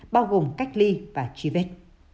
bao gồm cách ly và tri vết